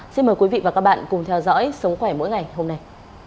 xin mời quý vị và các bạn cùng theo dõi sống khỏe mỗi ngày hôm nay